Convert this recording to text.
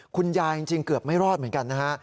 คุณยายจริงเกือบไม่รอดเหมือนกันนะฮะ